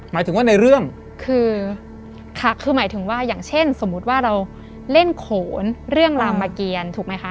หมายถึงว่าในเรื่องคือค่ะคือหมายถึงว่าอย่างเช่นสมมุติว่าเราเล่นโขนเรื่องรามเกียรถูกไหมคะ